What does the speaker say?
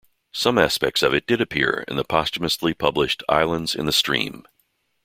Some aspects of it did appear in the posthumously published "Islands in the Stream".